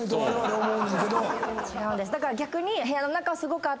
違うんです。